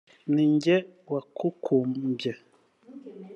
ni jye wakubumbye